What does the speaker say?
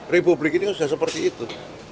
republik ini sudah seperti itu